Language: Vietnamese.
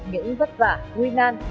những vất vả nguy nan